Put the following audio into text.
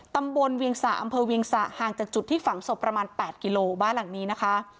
เวียงสะอำเภอเวียงสะห่างจากจุดที่ฝังศพประมาณ๘กิโลบ้านหลังนี้นะคะ